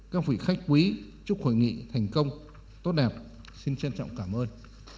các vị khách quý chúc hội nghị thành công tốt đẹp xin trân trọng cảm ơn